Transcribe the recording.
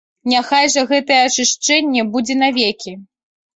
Няхай жа гэтае ачышчэнне будзе навекі.